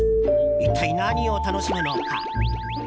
一体、何を楽しむのか？